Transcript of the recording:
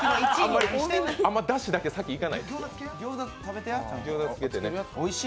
あんま、だしだけ先いかないですよ